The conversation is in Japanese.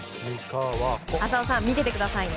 浅尾さん、見ていてください！